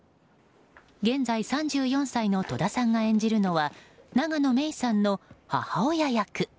現在３４歳の戸田さんが演じるのは永野芽郁さんの母親役。